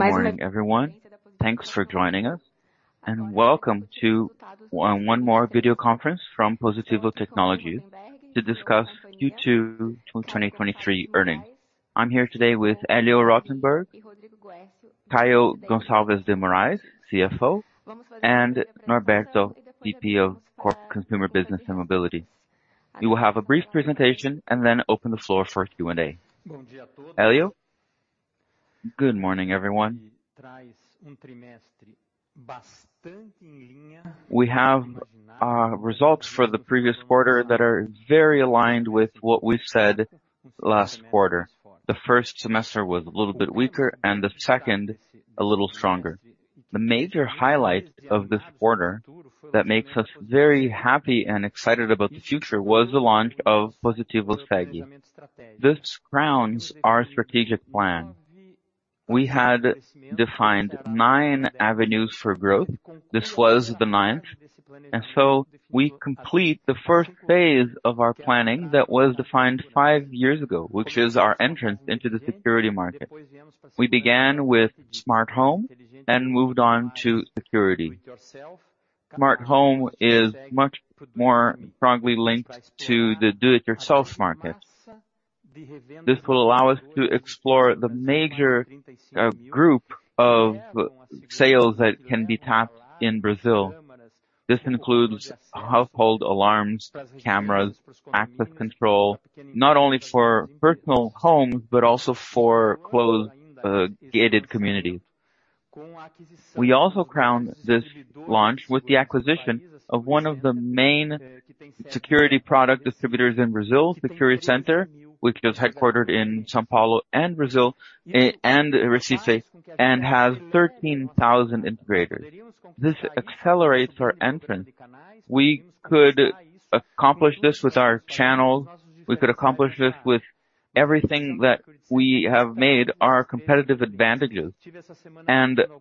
Good morning, everyone. Thanks for joining us, welcome to one more video conference from Positivo Tecnologia, to discuss Q2 2023 earnings. I'm here today with Hélio Bruck Rotenberg, Caio Gonçalves de Moraes, CFO, Norberto, VP of Consumer Business and Mobility. We will have a brief presentation, then open the floor for Q&A. Hélio? Good morning, everyone. We have results for the previous quarter that are very aligned with what we've said last quarter. The first semester was a little bit weaker, and the second, a little stronger. The major highlight of this quarter, that makes us very happy and excited about the future, was the launch of Positivo SEG. This crowns our strategic plan. We had defined nine avenues for growth. This was the ninth, and so we complete the first phase of our planning that was defined five years ago, which is our entrance into the security market. We began with smart home and moved on to security. Smart home is much more strongly linked to the do-it-yourself market. This will allow us to explore the major group of sales that can be tapped in Brazil. This includes household alarms, cameras, access control, not only for personal homes, but also for closed, gated communities. We also crowned this launch with the acquisition of one of the main security product distributors in Brazil, SecuriCenter, which is headquartered in São Paulo and Brazil, and Recife, and has 13,000 integrators. This accelerates our entrance. We could accomplish this with our channels, we could accomplish this with everything that we have made our competitive advantages.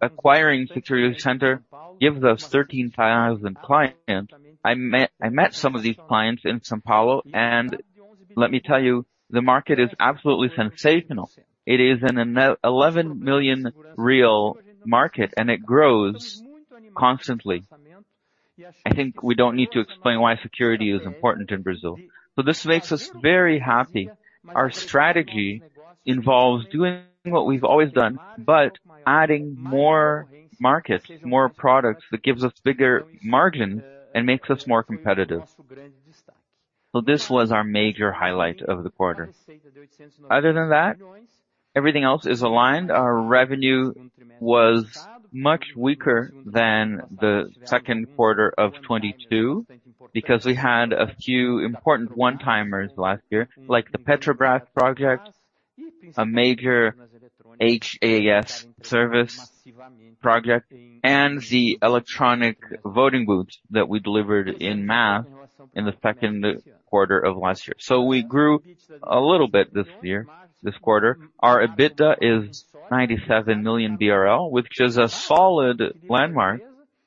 Acquiring SecuriCenter gives us 13,000 clients. I met, I met some of these clients in São Paulo, and let me tell you, the market is absolutely sensational. It is an 11 million real market, and it grows constantly. I think we don't need to explain why security is important in Brazil. This makes us very happy. Our strategy involves doing what we've always done, but adding more markets, more products, that gives us bigger margins and makes us more competitive. This was our major highlight of the quarter. Other than that, everything else is aligned. Our revenue was much weaker than the Q2 of 2022, because we had a few important one-timers last year, like the Petrobras project, a major HaaS service project, and the electronic voting booths that we delivered in mass in the Q2 of last year. We grew a little bit this year, this quarter. Our EBITDA is 97 million BRL, which is a solid landmark.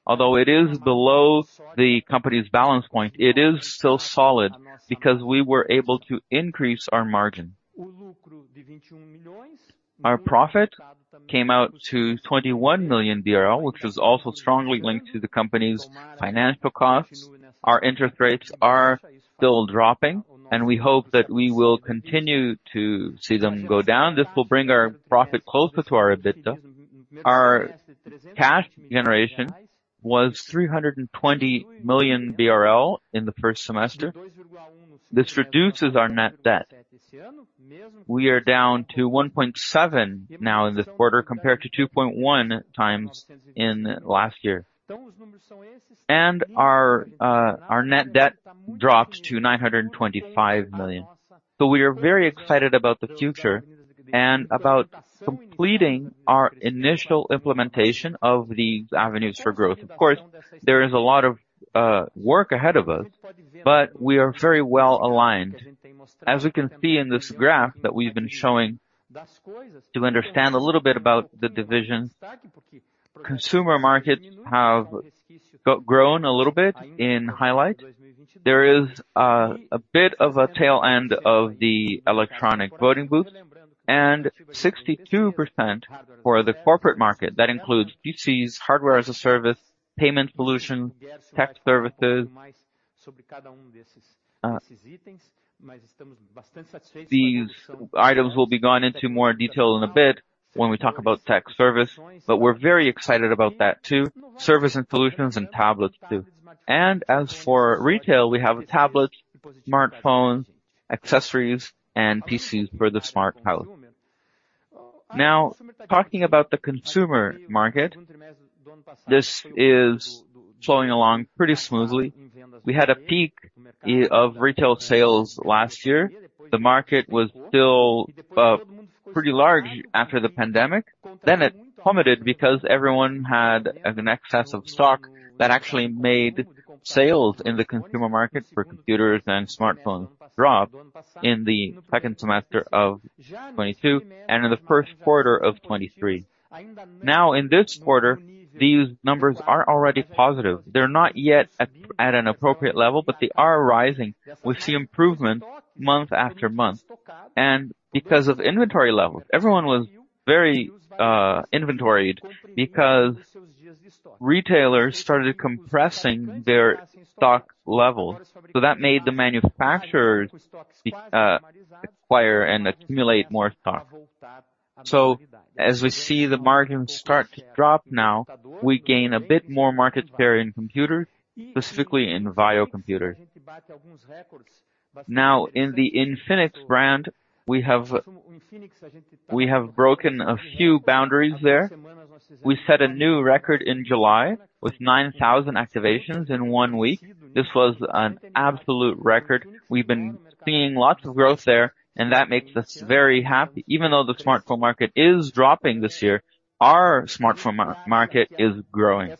Although it is below the company's balance point, it is still solid, because we were able to increase our margin. Our profit came out to 21 million, which is also strongly linked to the company's financial costs. Our interest rates are still dropping, and we hope that we will continue to see them go down. This will bring our profit closer to our EBITDA. Our cash generation was 320 million BRL in the first semester. This reduces our net debt. We are down to 1.7 now in this quarter, compared to 2.1x in last year. Our net debt dropped to 925 million. We are very excited about the future and about completing our initial implementation of the avenues for growth. Of course, there is a lot of work ahead of us, but we are very well aligned. As you can see in this graph that we've been showing, to understand a little bit about the division, consumer markets have grown a little bit in highlight. There is a bit of a tail end of the electronic voting booth, and 62% for the corporate market. That includes PCs, Hardware as a Service, payment solution, tech services. These items will be gone into more detail in a bit when we talk about tech service, but we're very excited about that, too. Service and solutions and tablets, too. As for retail, we have a tablet, smartphone, accessories, and PCs for the smart home. Now, talking about the consumer market, this is flowing along pretty smoothly. We had a peak of retail sales last year. The market was still pretty large after the pandemic. It plummeted, because everyone had an excess of stock that actually made sales in the consumer market for computers and smartphones drop in the second semester of 2022 and in the Q1 of 2023. In this quarter. These numbers are already positive. They're not yet at an appropriate level, but they are rising. We see improvement month after month. Because of inventory levels, everyone was very inventoried because retailers started compressing their stock levels. That made the manufacturers acquire and accumulate more stock. As we see the margin start to drop now, we gain a bit more market share in computer, specifically in Vaio computer. In the Infinix brand, we have broken a few boundaries there. We set a new record in July with 9,000 activations in one week. This was an absolute record. We've been seeing lots of growth there, and that makes us very happy. Even though the smartphone market is dropping this year, our smartphone market is growing.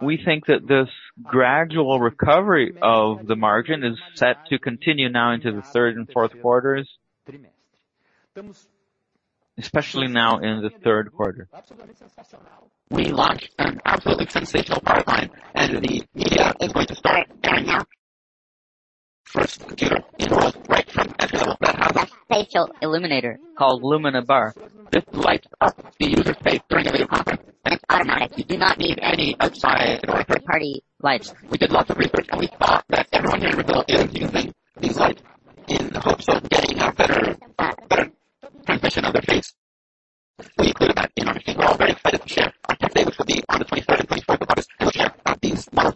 We think that this gradual recovery of the margin is set to continue now into the Q3 and Q4. Especially especially now in the Q3. We launched an absolutely sensational product line. The media is going to start right now. First computer, enrolled right from every level that happened. Facial illuminator called Lumina Bar. This lights up the user's face during a video conference. It's automatic. You do not need any outside or third-party lights. We did lots of research. We thought that everyone here in Reveal is using these lights in the hopes of getting a better, better transmission of their face.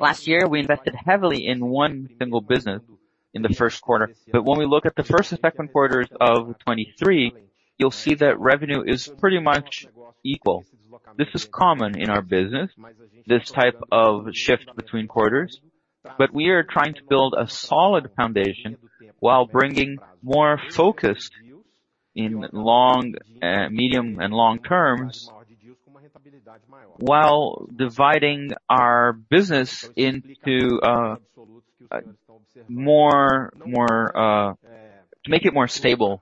Last year, we invested heavily in one single business in the Q1. When we look at the Q1 and Q2 of 2023, you'll see that revenue is pretty much equal. This is common in our business, this type of shift between quarters, but we are trying to build a solid foundation while bringing more focus in long, medium and long terms, while dividing our business into more, more, to make it more stable,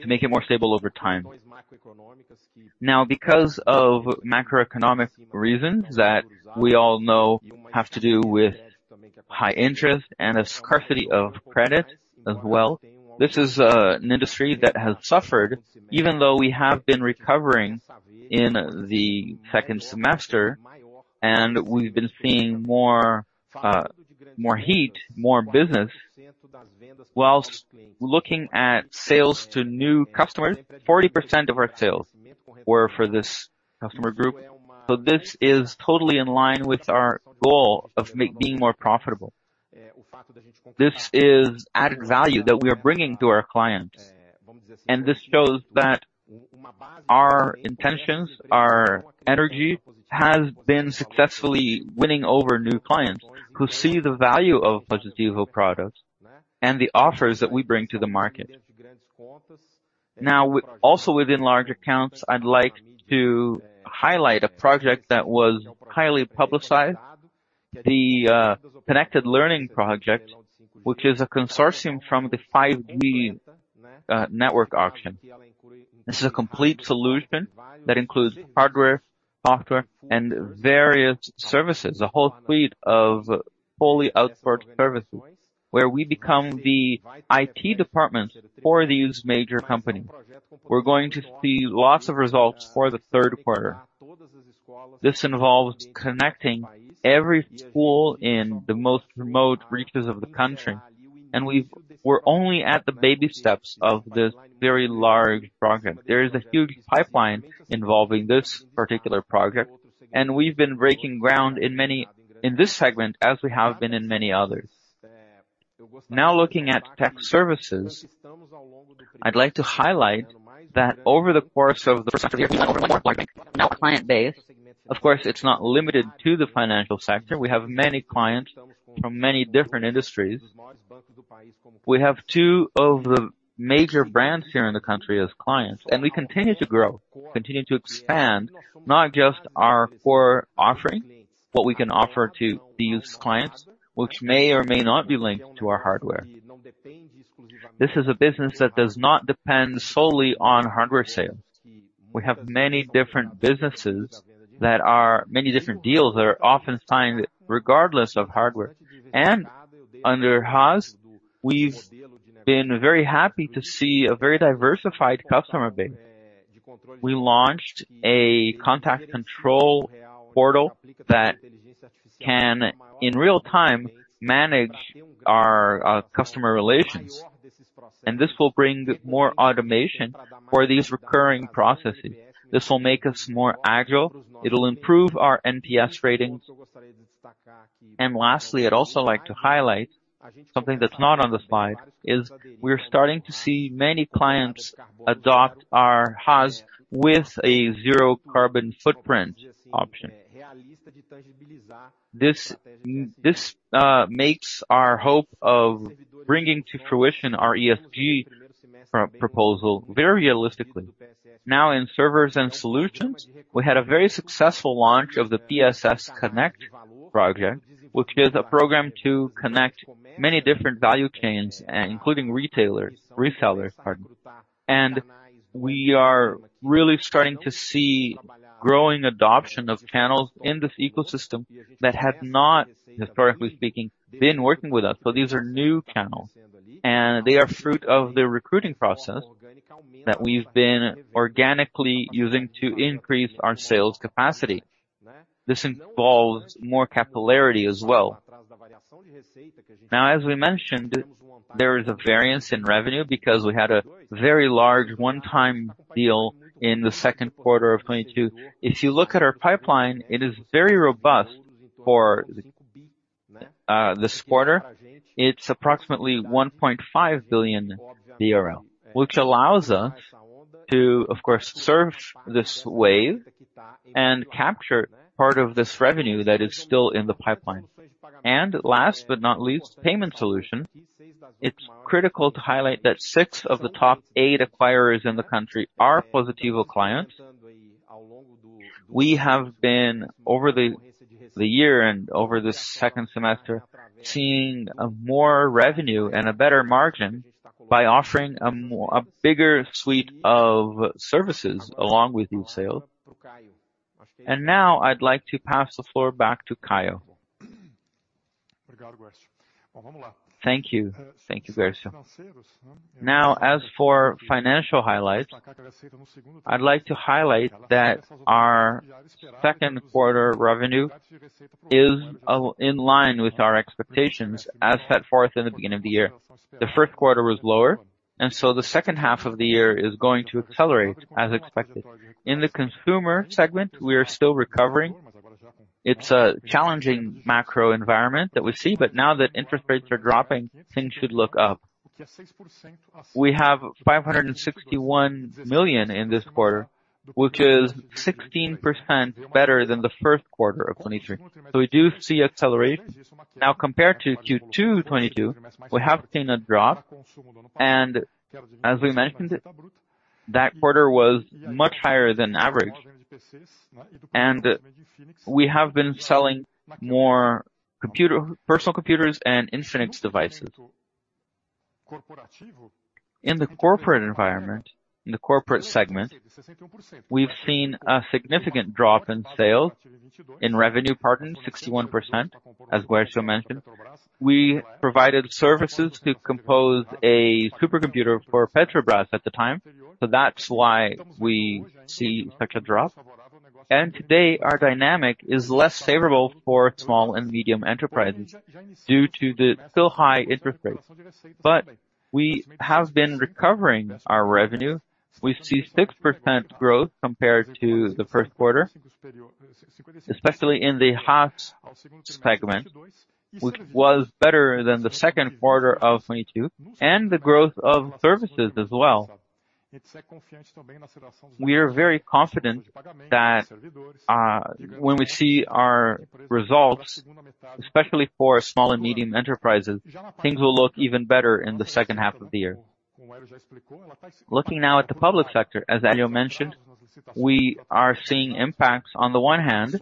to make it more stable over time. Because of macroeconomic reasons that we all know have to do with high interest and a scarcity of credit as well, this is an industry that has suffered, even though we have been recovering in the second semester, and we've been seeing more, more heat, more business. Whilst looking at sales to new customers, 40% of our sales were for this customer group. This is totally in line with our goal of being more profitable. This is added value that we are bringing to our clients, and this shows that our intentions, our energy, has been successfully winning over new clients who see the value of Positivo products and the offers that we bring to the market. With also within large accounts, I'd like to highlight a project that was highly publicized, the Connected Learning Project, which is a consortium from the 5G network auction. This is a complete solution that includes hardware, software, and various services, a whole fleet of fully outsourced services, where we become the IT department for these major companies. We're going to see lots of results for the Q3. This involves connecting every school in the most remote reaches of the country, and we've, we're only at the baby steps of this very large project. There is a huge pipeline involving this particular project, and we've been breaking ground in many in this segment, as we have been in many others. Now, looking at tech services, I'd like to highlight that over the course of the 1st year, client base. Of course, it's not limited to the financial sector. We have many clients from many different industries. We have two of the major brands here in the country as clients, and we continue to grow, continue to expand not just our core offering, what we can offer to these clients, which may or may not be linked to our hardware. This is a business that does not depend solely on hardware sales. We have many different businesses that are many different deals that are often signed regardless of hardware. Under HaaS, we've been very happy to see a very diversified customer base. We launched a contact control portal that can, in real time, manage our customer relations, this will bring more automation for these recurring processes. This will make us more agile, it'll improve our NPS ratings. Lastly, I'd also like to highlight something that's not on the slide, is we're starting to see many clients adopt our HaaS with a zero carbon footprint option. This, this makes our hope of bringing to fruition our ESG proposal very realistically. In servers and solutions, we had a very successful launch of the PSS Connect project, which is a program to connect many different value chains, including retailer, resellers, pardon. We are really starting to see growing adoption of channels in this ecosystem that have not, historically speaking, been working with us. These are new channels, and they are fruit of the recruiting process that we've been organically using to increase our sales capacity. This involves more capillarity as well. Now, as we mentioned, there is a variance in revenue because we had a very large one-time deal in the Q2 of 2022. If you look at our pipeline, it is very robust for this quarter. It's approximately 1.5 billion, which allows us to, of course, surf this wave and capture part of this revenue that is still in the pipeline. Last but not least, payment solution. It's critical to highlight that six of the top eight acquirers in the country are Positivo clients. We have been, over the year and over the second semester, seeing more revenue and a better margin by offering a bigger suite of services along with these sales. Now I'd like to pass the floor back to Caio. Thank you. Thank you, Guercio. Now, as for financial highlights, I'd like to highlight that our Q2 revenue is in line with our expectations as set forth in the beginning of the year. The Q1 was lower, the H2 of the year is going to accelerate as expected. In the consumer segment, we are still recovering. It's a challenging macro environment that we see, now that interest rates are dropping, things should look up. We have 561 million in this quarter, which is 16% better than the Q1 of 2023. We do see accelerate. Now, compared to Q2 2022, we have seen a drop, as we mentioned, that quarter was much higher than average. We have been selling more personal computers and Infinix devices. In the corporate environment, in the corporate segment, we've seen a significant drop in sales, in revenue, pardon, 61%, as Guercio mentioned. We provided services to compose a supercomputer for Petrobras at the time, that's why we see such a drop. Today, our dynamic is less favorable for small and medium enterprises due to the still high interest rates. We have been recovering our revenue. We see 6% growth compared to the Q1, especially in the HaaS segment, which was better than the Q2 of 2022, and the growth of services as well. We are very confident that, when we see our results, especially for small and medium enterprises, things will look even better in the H2 of the year. Looking now at the public sector, as Helio mentioned, we are seeing impacts, on the one hand,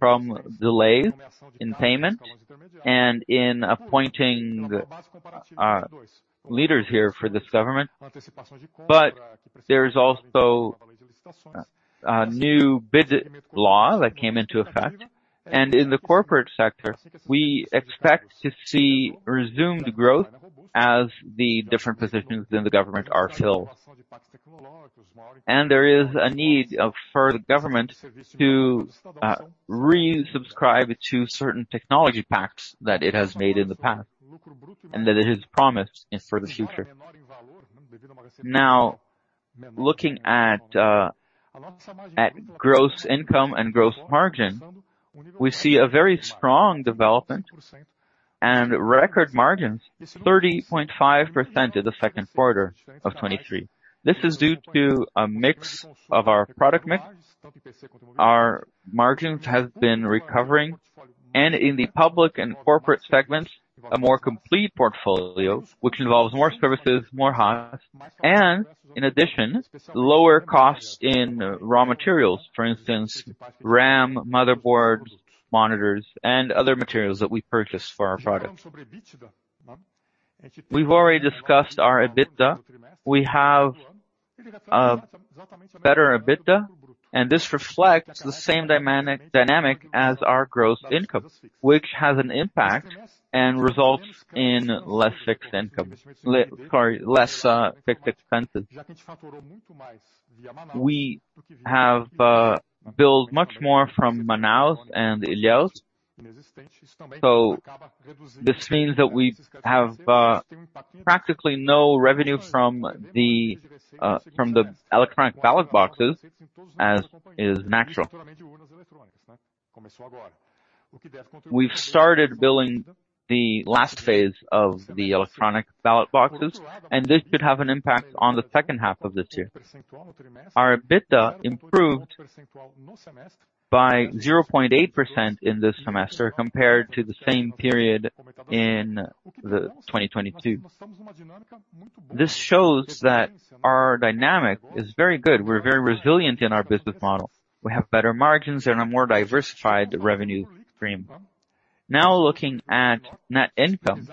from delays in payment and in appointing leaders here for this government. There is also a New Bid Law that came into effect, and in the corporate sector, we expect to see resumed growth as the different positions in the government are filled. There is a need for the government to resubscribe to certain technology packs that it has made in the past, and that it has promised in for the future. Now, looking at gross income and gross margin, we see a very strong development and record margins, 30.5% in Q2 2023. This is due to a mix of our product mix. Our margins have been recovering, and in the public and corporate segments, a more complete portfolio, which involves more services, more HaaS, and in addition, lower costs in raw materials, for instance, RAM, motherboards, monitors, and other materials that we purchase for our products. We've already discussed our EBITDA. We have a better EBITDA. This reflects the same dynamic as our gross income, which has an impact and results in less fixed income. Sorry, less fixed expenses. We have billed much more from Manaus and Ilhéus, this means that we have practically no revenue from the electronic ballot boxes, as is natural. We've started billing the last phase of the electronic ballot boxes, and this should have an impact on the H2 of this year. Our EBITDA improved by 0.8% in this semester compared to the same period in 2022. This shows that our dynamic is very good. We're very resilient in our business model. We have better margins and a more diversified revenue stream. Now, looking at net income,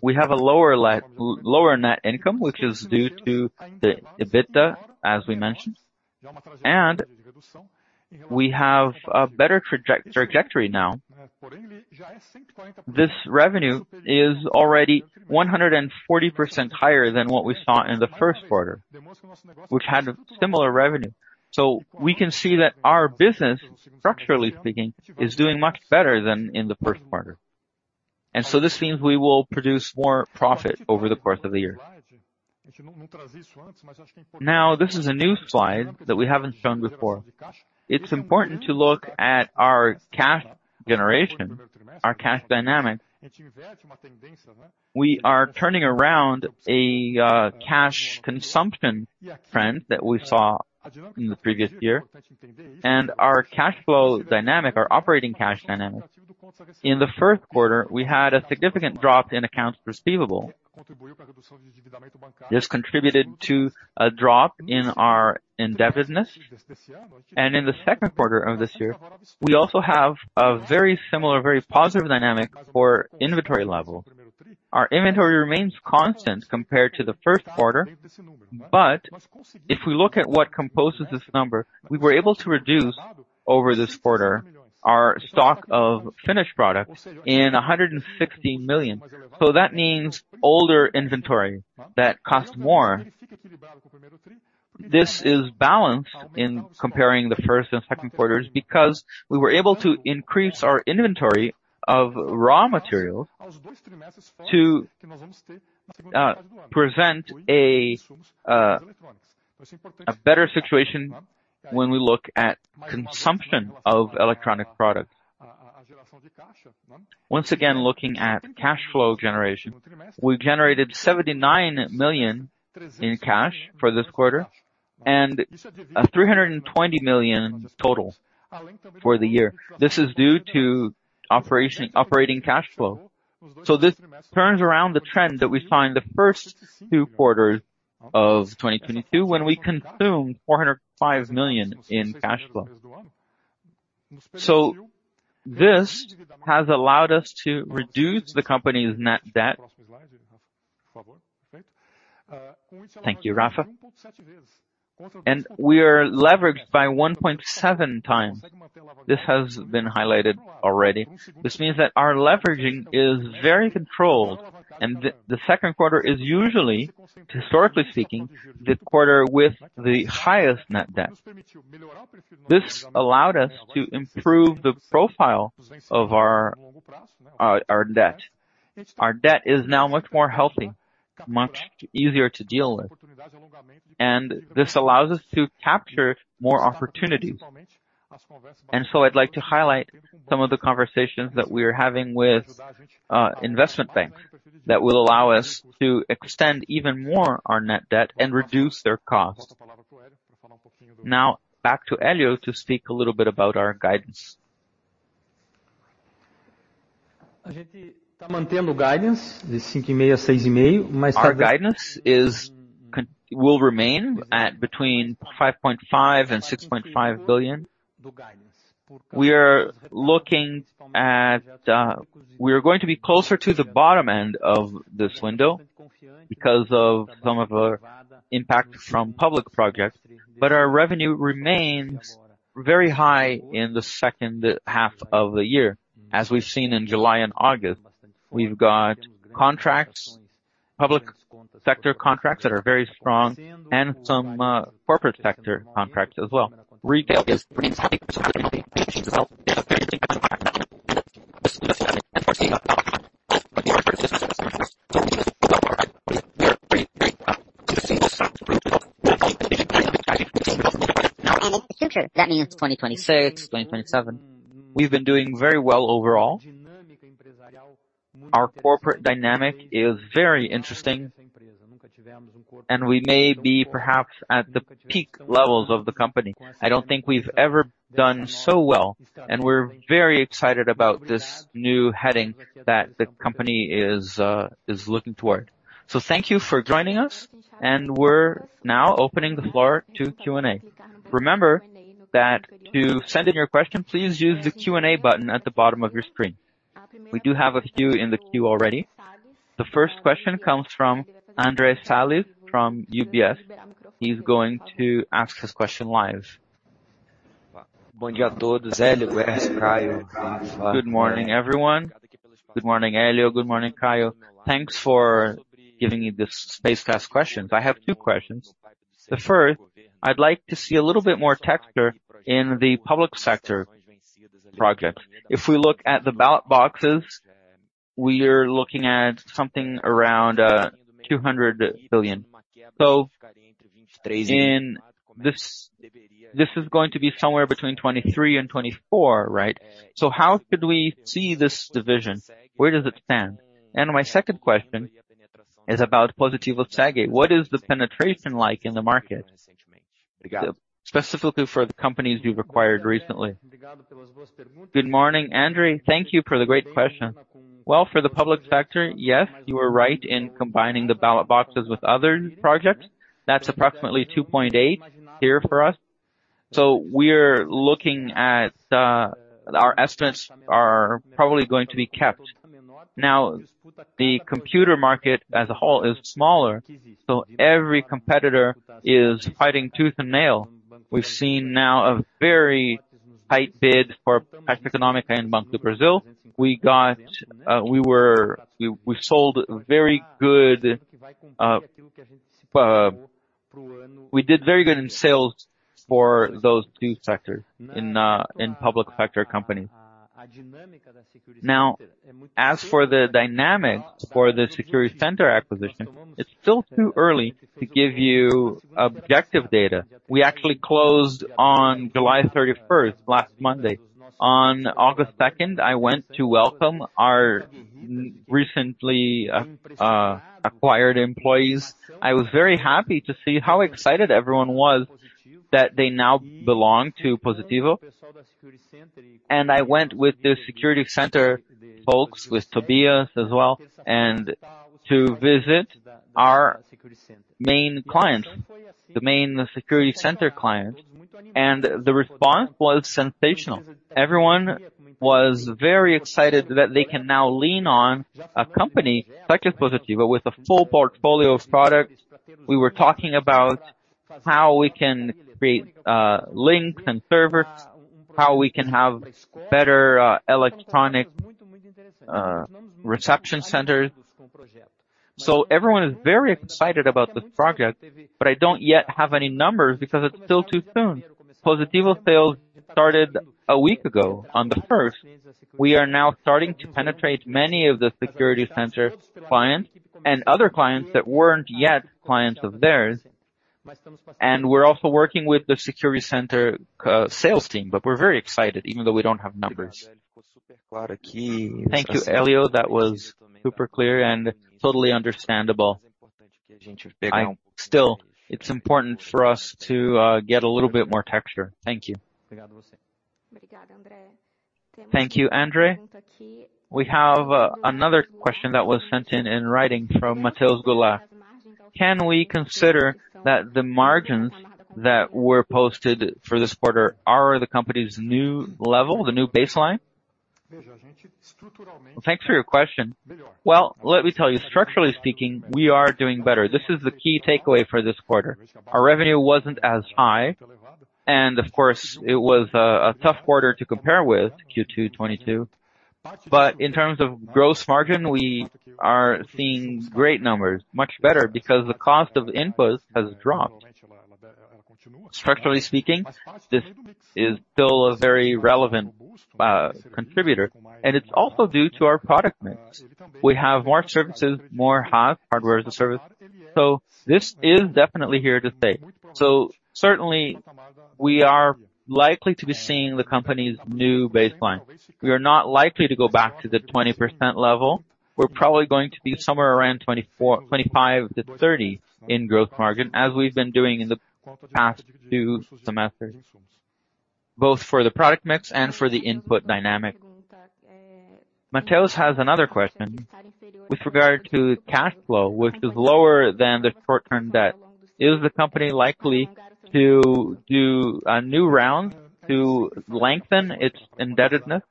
we have a lower net income, which is due to the EBITDA, as we mentioned, and we have a better trajectory now. This revenue is already 140% higher than what we saw in the Q1, which had a similar revenue. So we can see that our business, structurally speaking, is doing much better than in the Q1. This means we will produce more profit over the course of the year. Now, this is a new slide that we haven't shown before. It's important to look at our cash generation, our cash dynamic. We are turning around a cash consumption trend that we saw in the previous year, and our cash flow dynamic, our operating cash dynamic. In the Q1, we had a significant drop in accounts receivable. This contributed to a drop in our indebtedness, and in the Q2 of this year, we also have a very similar, very positive dynamic for inventory level. Our inventory remains constant compared to the Q1, but if we look at what composes this number, we were able to reduce over this quarter our stock of finished products in 160 million. That means older inventory that cost more. This is balanced in comparing the Q1 and Q2, because we were able to increase our inventory of raw materials to present a better situation when we look at consumption of electronic products. Once again, looking at cash flow generation, we've generated 79 million in cash for this quarter and a 320 million total for the year. This is due to operating cash flow. This turns around the trend that we saw in the first two quarters of 2022, when we consumed 405 million in cash flow. This has allowed us to reduce the company's net debt. Thank you, Rafa. We are leveraged by 1.7x. This has been highlighted already. This means that our leveraging is very controlled, the Q2 is usually, historically speaking, the quarter with the highest net debt. This allowed us to improve the profile of our debt. Our debt is now much more healthy, much easier to deal with, and this allows us to capture more opportunities. So I'd like to highlight some of the conversations that we are having with investment banks, that will allow us to extend even more our net debt and reduce their costs. Back to Hélio to speak a little bit about our guidance. Our guidance will remain at between 5.5 billion and 6.5 billion. We are looking at, we are going to be closer to the bottom end of this window because of some of our impact from public projects. Our revenue remains very high in the H2 of the year, as we've seen in July and August. We've got contracts, public sector contracts that are very strong and some, corporate sector contracts as well. We've been doing very well overall. Our corporate dynamic is very interesting, and we may be perhaps at the peak levels of the company. I don't think we've ever done so well, and we're very excited about this new heading that the company is looking toward. Thank you for joining us, and we're now opening the floor to Q&A. Remember that to send in your question, please use the Q&A button at the bottom of your screen. We do have a few in the queue already. The first question comes from Andre Salles from UBS. He's going to ask his question live. Good morning, everyone. Good morning, Helio. Good morning, Caio. Thanks for giving me the space to ask questions. I have two questions. The first, I'd like to see a little bit more texture in the public sector project. If we look at the ballot boxes, we're looking at something around 200 billion. In this, this is going to be somewhere between 2023 and 2024, right? How could we see this division? Where does it stand? My second question is about Positivo SEG. What is the penetration like in the market, specifically for the companies you've acquired recently? Good morning, Andre. Thank you for the great question. Well, for the public sector, yes, you are right in combining the ballot boxes with other projects. That's approximately 2.8 billion here for us. We're looking at, our estimates are probably going to be kept. Now, the computer market as a whole is smaller, so every competitor is fighting tooth and nail. We've seen now a very tight bid for Econômica and Banco do Brasil. We got, we, we sold very good, we did very good in sales for those two sectors in public sector companies. Now, as for the dynamics for the SecuriCenter acquisition, it's still too early to give you objective data. We actually closed on July 31st, last Monday. On August 2nd, I went to welcome our recently acquired employees. I was very happy to see how excited everyone was that they now belong to Positivo, and I went with the SecuriCenter folks, with Tobias as well, and to visit our main client, the main SecuriCenter client, and the response was sensational. Everyone was very excited that they can now lean on a company such as Positivo, with a full portfolio of products. We were talking about how we can create links and servers, how we can have better electronic reception center. Everyone is very excited about this project, but I don't yet have any numbers because it's still too soon. Positivo sales started a week ago, on the 1st. We are now starting to penetrate many of the SecuriCenter clients and other clients that weren't yet clients of theirs. We're also working with the SecuriCenter sales team, but we're very excited, even though we don't have numbers. Thank you, Hélio. That was super clear and totally understandable. Still, it's important for us to get a little bit more texture. Thank you. Thank you, André. We have another question that was sent in in writing from Mateus Gula. Can we consider that the margins that were posted for this quarter are the company's new level, the new baseline? Well, thanks for your question. Well, let me tell you, structurally speaking, we are doing better. This is the key takeaway for this quarter. Our revenue wasn't as high. Of course, it was a, a tough quarter to compare with Q2 2022. In terms of gross margin, we are seeing great numbers, much better because the cost of inputs has dropped. Structurally speaking, this is still a very relevant contributor, and it's also due to our product mix. We have more services, more HaaS, Hardware as a Service. This is definitely here to stay. Certainly, we are likely to be seeing the company's new baseline. We are not likely to go back to the 20% level. We're probably going to be somewhere around 24%, 25%-30% in growth margin, as we've been doing in the past two semesters, both for the product mix and for the input dynamic. Mateus has another question with regard to cash flow, which is lower than the short-term debt. Is the company likely to do a new round to lengthen its indebtedness?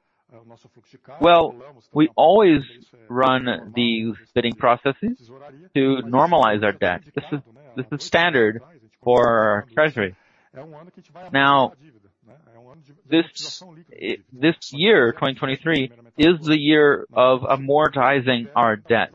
Well, we always run these bidding processes to normalize our debt. This is, this is standard for treasury. This year, 2023, is the year of amortizing our debt.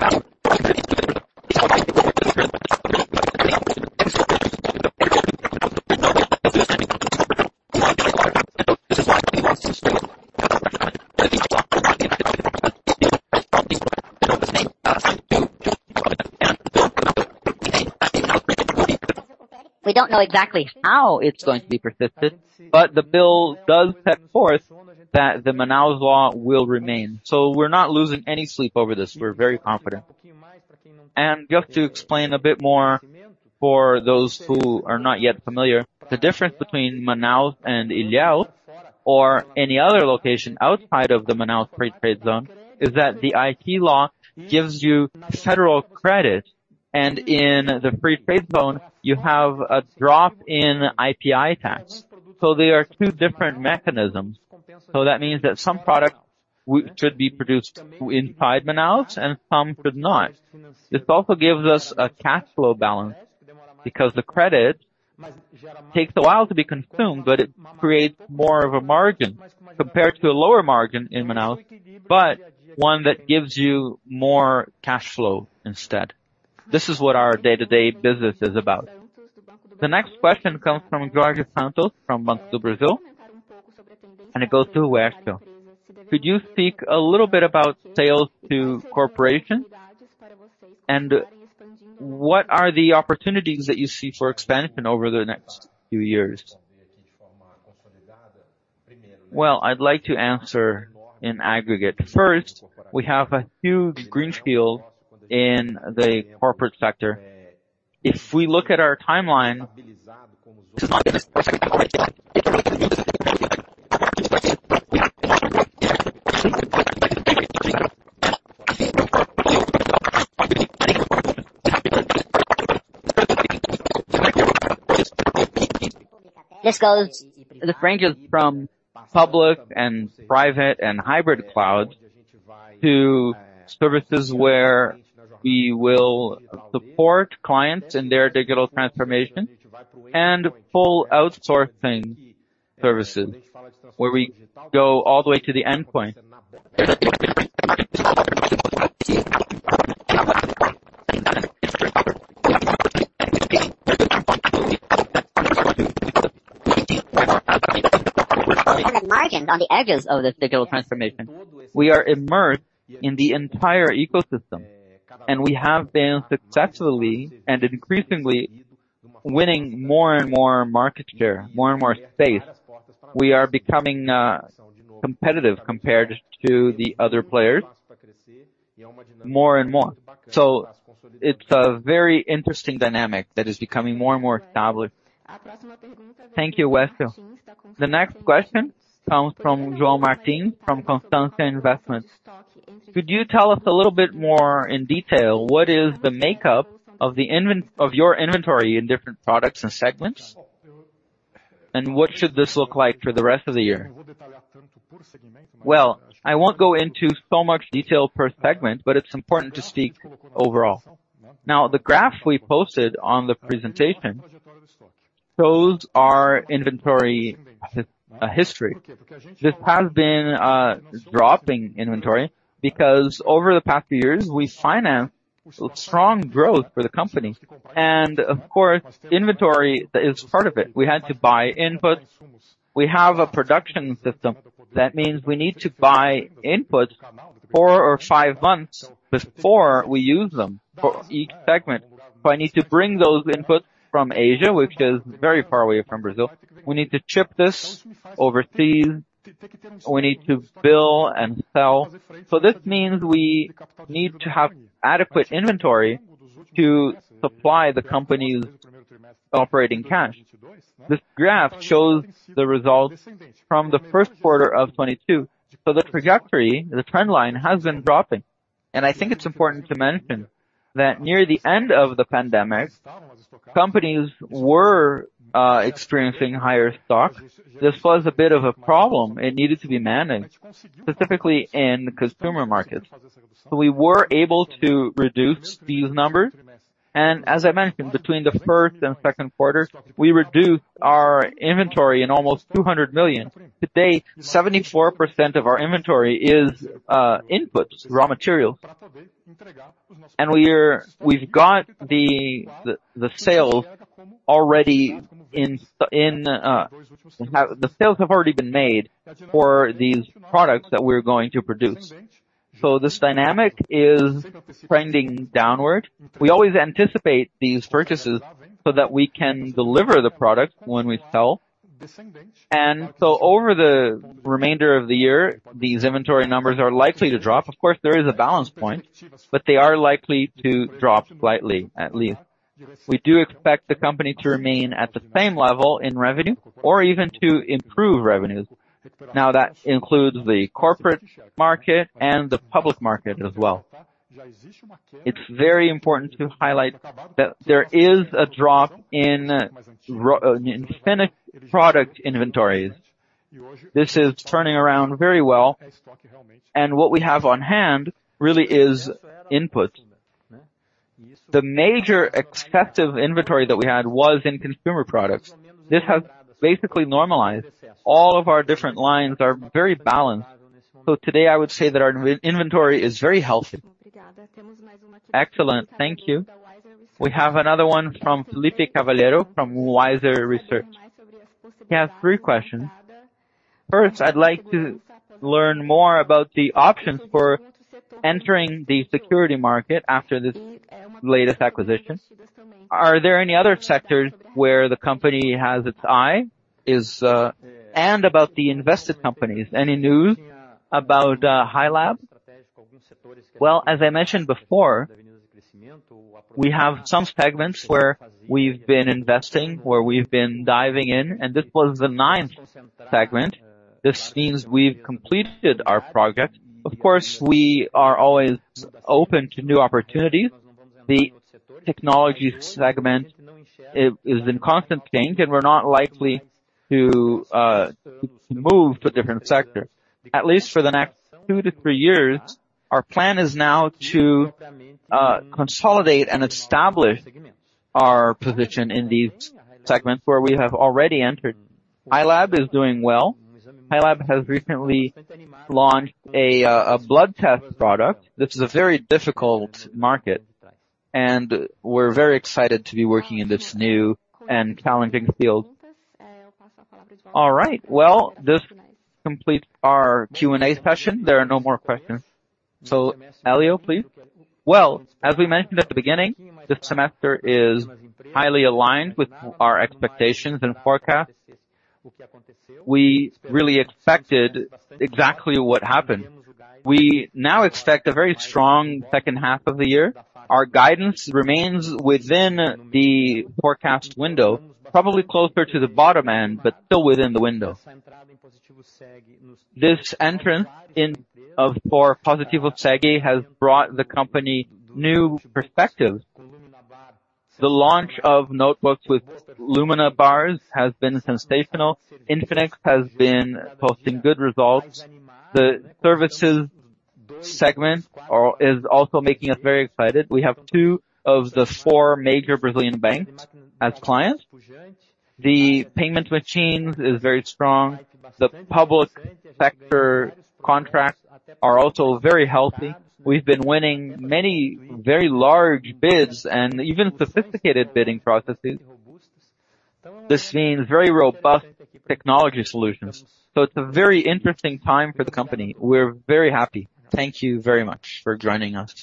don't know exactly how it's going to be persisted, but the bill does set forth that the Manaus law will remain. We're not losing any sleep over this. We're very confident. Just to explain a bit more for those who are not yet familiar, the difference between Manaus and Ilhéus or any other location outside of the Manaus Free Trade Zone, is that the IT Law gives you federal credit, and in the free trade zone, you have a drop in IPI tax. They are two different mechanisms. That means that some products should be produced inside Manaus and some should not. This also gives us a cash flow balance because the credit takes a while to be consumed, but it creates more of a margin compared to a lower margin in Manaus, but one that gives you more cash flow instead. This is what our day-to-day business is about. The next question comes from Jorge Santos, from Banco do Brasil, and it goes to Guercio. Could you speak a little bit about sales to corporations? What are the opportunities that you see for expansion over the next few years? Well, I'd like to answer in aggregate. First, we have a huge green field in the corporate sector. If we look at our timeline. This ranges from public and private and hybrid cloud to services where we will support clients in their digital transformation and full outsourcing services, where we go all the way to the endpoint. Margin on the edges of this digital transformation. We are immersed in the entire ecosystem, and we have been successfully and increasingly winning more and more market share, more and more space. We are becoming competitive compared to the other players more and more. It's a very interesting dynamic that is becoming more and more established. Thank you, Guercio. The next question comes from João Martins, from Constância Investimentos. Could you tell us a little bit more in detail, what is the makeup of the of your inventory in different products and segments? What should this look like for the rest of the year? Well, I won't go into so much detail per segment, but it's important to speak overall. The graph we posted on the presentation shows our inventory, history. This has been dropping inventory because over the past few years, we financed strong growth for the company, and of course, inventory is part of it. We had to buy inputs. We have a production system, that means we need to buy inputs four or five months before we use them for each segment. I need to bring those inputs from Asia, which is very far away from Brazil. We need to ship this overseas, we need to build and sell. This means we need to have adequate inventory to supply the company's operating cash. This graph shows the results from the Q1 of 2022, the trajectory, the trend line, has been dropping. I think it's important to mention that near the end of the pandemic, companies were experiencing higher stock. This was a bit of a problem. It needed to be managed, specifically in consumer markets. We were able to reduce these numbers, and as I mentioned, between the Q1 and Q2, we reduced our inventory in almost 200 million. Today, 74% of our inventory is input, raw material. We've got the, the, the sale already in, the sales have already been made for these products that we're going to produce. This dynamic is trending downward. We always anticipate these purchases so that we can deliver the product when we sell. So over the remainder of the year, these inventory numbers are likely to drop. Of course, there is a balance point, but they are likely to drop slightly, at least. We do expect the company to remain at the same level in revenue or even to improve revenues. Now, that includes the corporate market and the public market as well. It's very important to highlight that there is a drop in Infinix product inventories. This is turning around very well, and what we have on hand really is input. The major excessive inventory that we had was in consumer products. This has basically normalized. All of our different lines are very balanced, so today, I would say that our in-inventory is very healthy. Excellent. Thank you. We have another one from Felipe Cavalheiro, from Wisesa Research. He has three questions: "First, I'd like to learn more about the options for entering the security market after this latest acquisition. Are there any other sectors where the company has its eye? About the invested companies, any news about Hilab? Well, as I mentioned before, we have some segments where we've been investing, where we've been diving in, and this was the ninth segment. This means we've completed our project. Of course, we are always open to new opportunities. The technology segment is, is in constant change, and we're not likely to move to different sectors. At least for the next two to three years, our plan is now to consolidate and establish our position in these segments where we have already entered. Hilab is doing well. Hilab has recently launched a blood test product. This is a very difficult market, and we're very excited to be working in this new and challenging field. All right. Well, this completes our Q&A session. There are no more questions. Helio, please? Well, as we mentioned at the beginning, this semester is highly aligned with our expectations and forecasts. We really expected exactly what happened. We now expect a very strong H2 of the year. Our guidance remains within the forecast window, probably closer to the bottom end, but still within the window. This entrance for Positivo SEG has brought the company new perspectives. The launch of notebooks with Lumina Bars has been sensational. Infinix has been posting good results. The services segment is also making us very excited. We have two of the four major Brazilian banks as clients. The payment machine is very strong. The public sector contracts are also very healthy. We've been winning many very large bids and even sophisticated bidding processes. This means very robust technology solutions. It's a very interesting time for the company. We're very happy. Thank you very much for joining us.